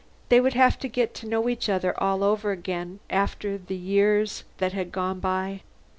They would have to get to know each other all over again, after the years that had gone by.